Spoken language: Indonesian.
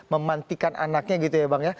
memantikan anaknya gitu ya bang ya